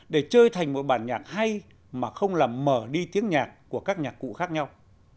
để chơi thành một bản nhạc hay mà không làm mở đi tiếng nhạc của các nhạc cụ khác nhau